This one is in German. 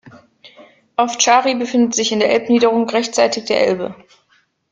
Ovčáry befindet sich in der Elbniederung rechtsseitig der Elbe.